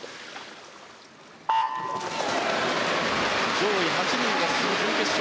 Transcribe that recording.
上位８人が進む準決勝